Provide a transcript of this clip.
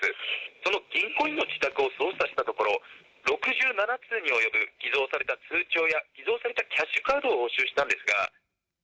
その銀行員の自宅を捜査したところ、６７通に及ぶ偽造された通帳や偽造されたキャッシュカードを押収したんですが。